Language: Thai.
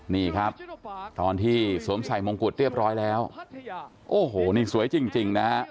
นี่ครับตอนที่สวมใส่มงกุฎเรียบร้อยแล้วโอ้โหนี่สวยจริงนะฮะ